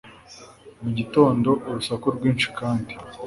mugitondo urusaku rwinshi kandi